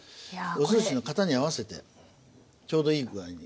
おすしの型に合わせてちょうどいい具合に。